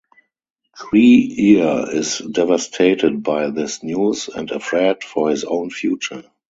Tree-ear is devastated by this news and afraid for his own future.